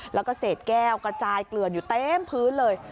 แล้วก็เศษแก้วกระจายเกลือนอยู่เต็มพื้นเลย